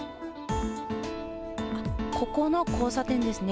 ここの交差点ですね。